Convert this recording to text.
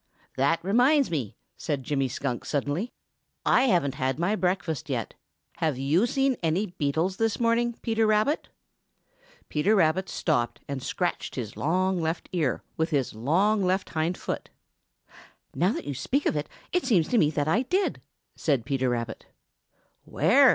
"That reminds me," said Jimmy Skunk suddenly, "I haven't had my breakfast yet. Have you seen any beetles this morning, Peter Rabbit?" Peter Rabbit stopped and scratched his long left ear with his long left hind foot. "Now you speak of it, it seems to me that I did," said Peter Rabbit. "Where?"